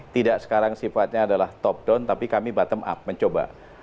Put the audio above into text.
tidak sekarang sifatnya adalah top down tapi kami bottom up mencoba